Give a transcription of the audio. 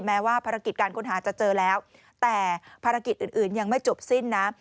แม้ว่าภารกิจการค้นหาจะเจอแล้วแต่ภารกิจอื่นยังไม่จบสิ้นนะ